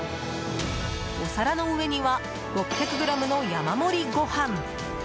お皿の上には６００ｇの山盛りご飯。